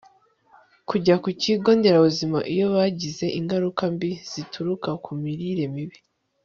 kujya ku kigo nderabuzima iyo bagize ingaruka mbi zituruka ku mirire mibi